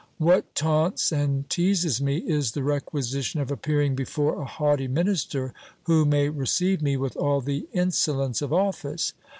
What taunts and teases me, is the requisition of appearing before a hiughty minister, who may receive me with all the insolence of office.